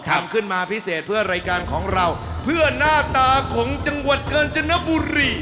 ทำขึ้นมาพิเศษเพื่อรายการของเราเพื่อหน้าตาของจังหวัดกาญจนบุรี